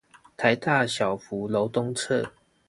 臺大小福樓東側